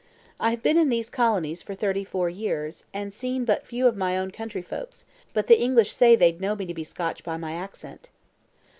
"I have been in these colonies for thirty four years, and seen but few of my own country folks; but the English say they'd know me to be Scotch by my accent."